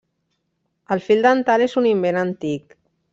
El fil dental és un invent antic.